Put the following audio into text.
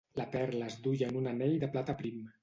La perla es duia en un anell de plata prim.